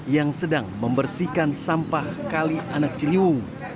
yang sedang membersihkan sampah kali anak ciliwung